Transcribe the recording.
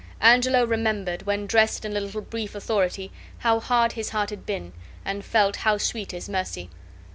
Angelo remembered, when dressed in a little brief authority, how hard his heart had been, and felt how sweet is mercy.